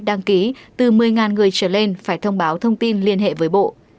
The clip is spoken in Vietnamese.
đăng ký từ một mươi người trở lên phải thông báo thông tin liên hệ với bộ